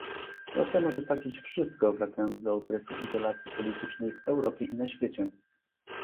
Rosja może stracić wszystko, wracając do okresu izolacji politycznej w Europie i na świecie